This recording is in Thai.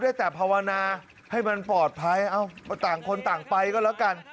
ได้แต่ภาวนาให้มันปลอดภัยเอ้าต่างคนต่างไปก็แล้วกัน